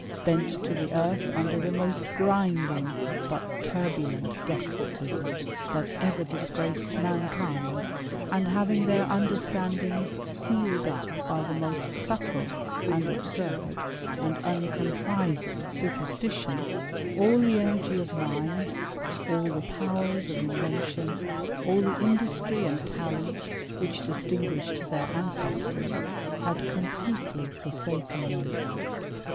Bent to the earth under the most grinding but turbulent despotism that ever disgraced mankind, and having their understandings ^aled up by the most subtle and absurd, and un comprising superstition, all the energy of mind, all the powers of invention, all the industry and talent, Hich distinguished their ancestors, had completely forsaken them.